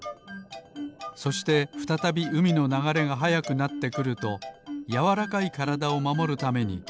そしてふたたびうみのながれがはやくなってくるとやわらかいからだをまもるためにあわててみをかくすばしょをさがしはじめるのです。